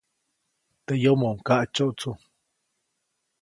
Teʼ yomoʼuŋ kaʼtsyotsu.